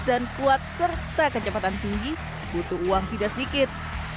dan kuat serta kecepatan tinggi butuh uang tidak sedikit